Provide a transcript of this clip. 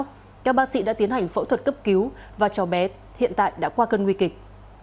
trước đó các bác sĩ đã tiến hành phẫu thuật cấp cứu và cho bé hiện tại đã qua cơn nguy kịch